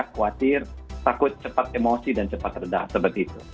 khawatir takut cepat emosi dan cepat reda seperti itu